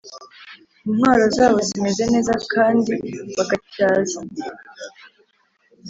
intwaro zabo zimeze neza kandi bagatyaza